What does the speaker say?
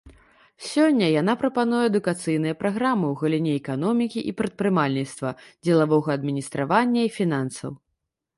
Сёння яна прапануе адукацыйныя праграмы ў галіне эканомікі і прадпрымальніцтва, дзелавога адміністравання і фінансаў.